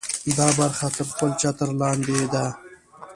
دا برخه تر خپل چتر لاندې ده.